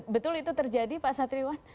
betul itu terjadi pak satriwan